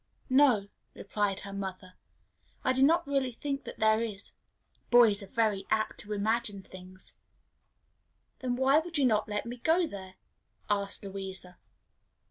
"No," replied her mother, "I do not really think there is. Boys are very apt to imagine such things." "Then why would you not let me go there?" asked Louisa.